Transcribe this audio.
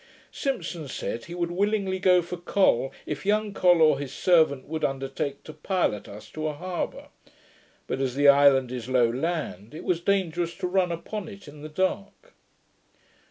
Simpson said, he would willingly go for Col, if young Col or his servant would undertake to pilot us to a harbour; but, as the island is low land, it was dangerous to run upon it in the dark.